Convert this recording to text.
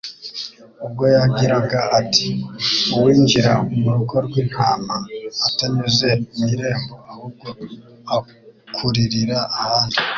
ubwo yagiraga ati: "Uwinjira mu rugo rw'intama atanyuze mu irembo abubwo akuririra ahandi,